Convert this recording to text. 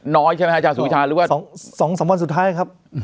น้อยใช่ไหมภาคสมิธรรมหรือว่า๒๓วันสุดท้ายครับ